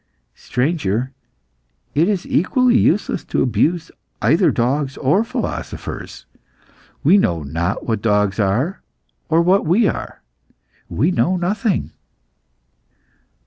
"Stranger, it is equally useless to abuse either dogs or philosophers. We know not what dogs are or what we are. We know nothing."